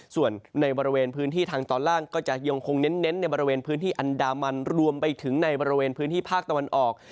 ส่วนในบริเวณพื้นที่ทางตอนล่างก็จะยังคงเน้นในบริเวณพื้นที่อันดามันรวมไปถึงในบริเวณพื้นที่ภาคตะวันออก